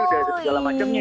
udah ada segala macemnya